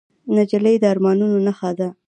نجلۍ د ارمانونو نښه ده.